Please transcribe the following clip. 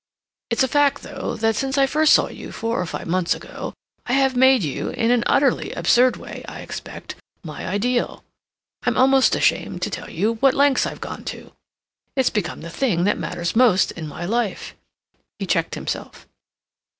It's a fact, though, that since I first saw you four or five months ago I have made you, in an utterly absurd way, I expect, my ideal. I'm almost ashamed to tell you what lengths I've gone to. It's become the thing that matters most in my life." He checked himself.